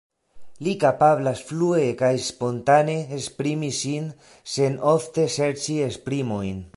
Li kapablas flue kaj spontane esprimi sin, sen ofte serĉi esprimojn.